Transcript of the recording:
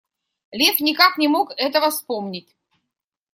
Лев никак не мог этого вспомнить.